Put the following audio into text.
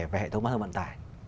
về hệ thống bán thông vận tải